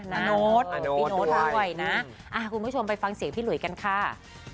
โน๊ตพี่โน๊ตด้วยนะคุณผู้ชมไปฟังเสียงพี่หลุยกันค่ะ